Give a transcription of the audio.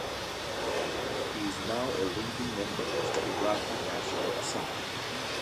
He is now a leading member of the Iraqi National Assembly.